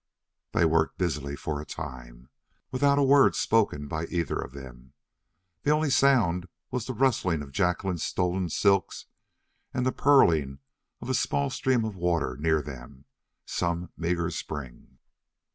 They worked busily for a time, without a word spoken by either of them. The only sound was the rustling of Jacqueline's stolen silks and the purling of a small stream of water near them, some meager spring.